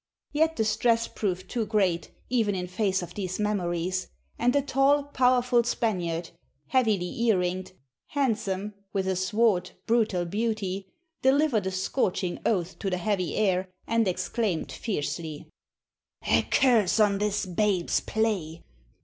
Yet the stress proved too great, even in face of these memories, and a tall, powerful Spaniard, heavily earringed, handsome, with a swart, brutal beauty, delivered a scorching oath to the heavy air and exclaimed fiercely: "A curse on this babe's play!